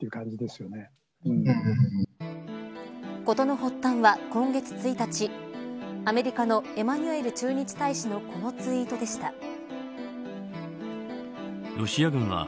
事の発端は、今月１日アメリカのエマニュエル駐日大使のこのツイートでした。